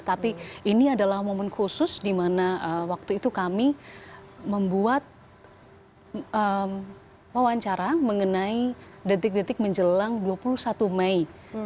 tapi ini adalah momen khusus dimana waktu itu kami membuat wawancara mengenai detik detik menjelang dua puluh satu mei